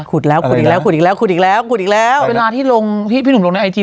ขุดแล้วขุดอีกแล้วขุดอีกแล้วขุดอีกแล้วขุดอีกแล้วเวลาที่ลงที่พี่หนุ่มลงในไอจี